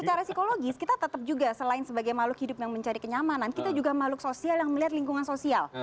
secara psikologis kita tetap juga selain sebagai makhluk hidup yang mencari kenyamanan kita juga makhluk sosial yang melihat lingkungan sosial